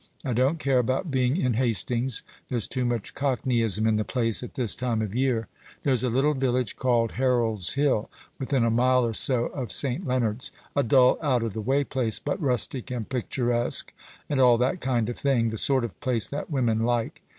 I don't care about being in Hastings; there's too much cockneyism in the place at this time of year. There's a little village called Harold's Hill, within a mile or so of St. Leonard's a dull, out of the way place, but rustic and picturesque, and all that kind of thing the sort of place that women like.